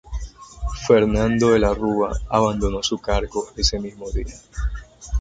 Fernando de la Rúa abandonó su cargo ese mismo día.